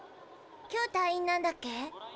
今日退院なんだっけ？